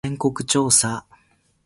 全国調査